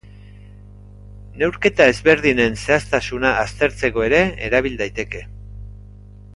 Neurketa ezberdinen zehaztasuna aztertzeko ere erabil daiteke.